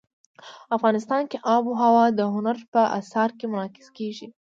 افغانستان کې آب وهوا د هنر په اثار کې منعکس کېږي.